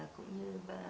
cũng như bà